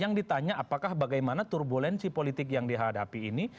yang ditanya apakah bagaimana turbulensi politik yang dihadapi ini